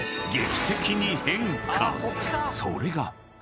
それが］